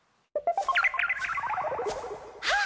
あっ！